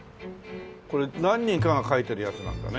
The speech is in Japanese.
これ何人かが書いてるやつなんだね？